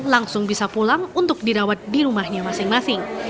langsung bisa pulang untuk dirawat di rumahnya masing masing